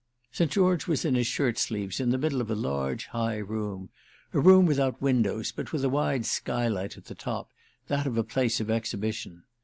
St. George was in his shirt sleeves in the middle of a large high room—a room without windows, but with a wide skylight at the top, that of a place of exhibition.